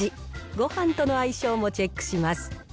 ごはんとの相性もチェックします。